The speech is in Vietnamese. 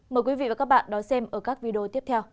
mời quý vị và các bạn đón xem ở các video tiếp theo